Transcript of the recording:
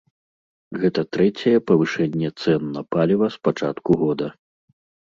Гэта трэцяе павышэнне цэн на паліва з пачатку года.